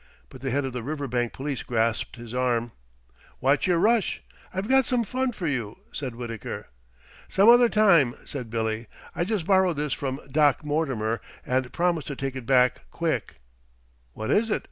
but the head of the Riverbank police grasped his arm. "What's your rush? I've got some fun for you," said Wittaker. "Some other time," said Billy. "I just borrowed this from Doc Mortimer and promised to take it back quick." "What is it?"